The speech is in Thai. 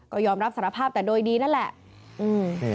ก็ยอมรับสารภาพแต่โดยดีนั่นแหละอืม